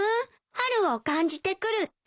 春を感じてくるって。